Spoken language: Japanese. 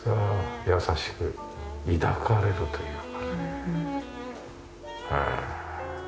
優しく抱かれるというかねへえ。